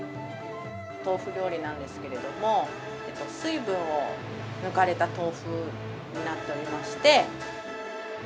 豆腐料理なんですけれども、水分を抜かれた豆腐になっておりまして。